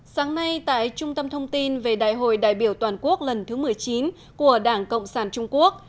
sáng nay tại trung tâm thông tin về đại hội đại biểu toàn quốc lần thứ một mươi chín của đảng cộng sản trung quốc